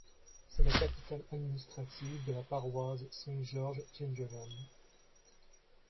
C'est la capitale administrative de la paroisse Saint-George Gingerland.